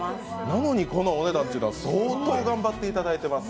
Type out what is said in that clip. なのにこのお値段というのは相当頑張っていただいています。